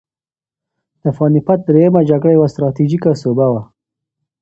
د پاني پت درېیمه جګړه یوه ستراتیژیکه سوبه وه.